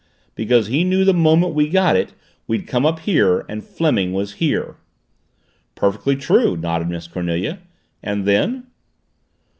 Because he knew the moment we got it, we'd come up here and Fleming was here." "Perfectly true," nodded Miss Cornelia. "And then?"